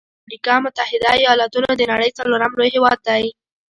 د امريکا متحده ایلاتونو د نړۍ څلورم لوی هیواد دی.